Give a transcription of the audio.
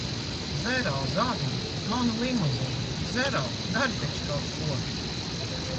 Zero, zagļi! Manu limuzīnu! Zero, dari taču kaut ko!